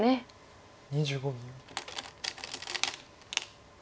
２５秒。